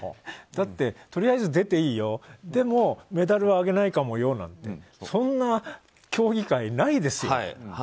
だって、とりあえず出ていいよでも、メダルはあげないかもよなんてそんな競技会、ないですよ。